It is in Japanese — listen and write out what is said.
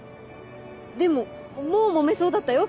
でももうもめそうだったよ